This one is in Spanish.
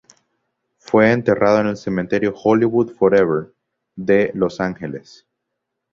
Fue enterrado en el Cementerio Hollywood Forever, de Los Ángeles.